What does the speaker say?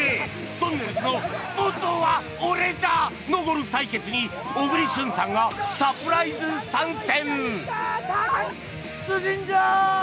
「とんねるずのスポーツ王は俺だ！！」のゴルフ対決に小栗旬さんがサプライズ参戦。